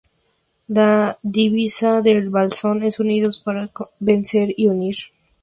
La divisa del blasón es: "Unidos para vencer y unir".